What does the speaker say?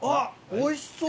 おいしそう！